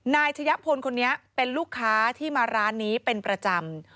ชะยะพลคนนี้เป็นลูกค้าที่มาร้านนี้เป็นประจำ